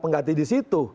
terganti di situ